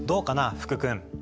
福君。